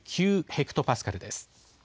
９２９ヘクトパスカルです。